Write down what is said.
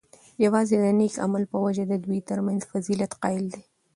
یواځی د نیک عمل په وجه د دوی ترمنځ فضیلت قایل دی،